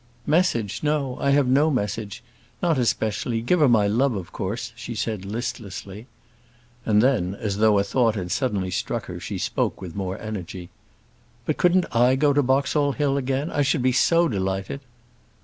"Message! no, I have no message; not especially: give her my love, of course," she said listlessly. And then, as though a thought had suddenly struck her, she spoke with more energy. "But, couldn't I go to Boxall Hill again? I should be so delighted."